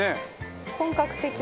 本格的な。